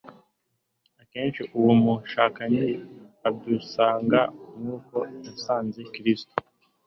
Akenshi uwo mushukanyi adusanga nk'uko yasanze Kristo,